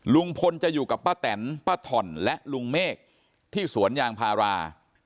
ลุงพลจะอยู่กับป้าแตนป้าถ่อนและลุงเมฆที่สวนยางพารา